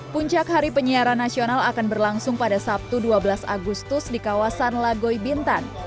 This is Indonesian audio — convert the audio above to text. puncak hari penyiaran nasional akan berlangsung pada sabtu dua belas agustus di kawasan lagoy bintan